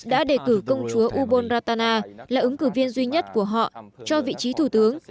đã đề cử công chúa ubon ratana là ứng cử viên duy nhất của họ cho vị trí thủ tướng